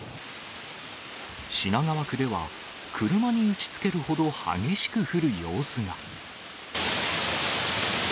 品川区では車に打ちつけるほど激しく降る様子が。